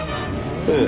ええ。